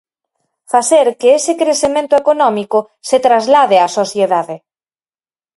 Facer que ese crecemento económico se traslade á sociedade.